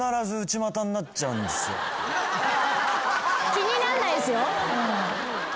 気になんないですよ。